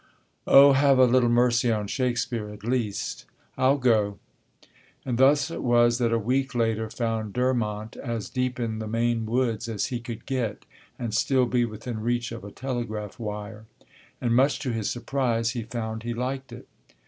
"Oh, have a little mercy on Shakespeare, at least. I'll go." And thus it was that a week later found Durmont as deep in the Maine woods as he could get and still be within reach of a telegraph wire. And much to his surprise he found he liked it.